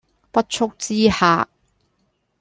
不速之客